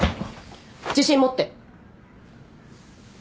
自信持って！